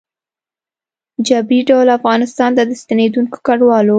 ه جبري ډول افغانستان ته د ستنېدونکو کډوالو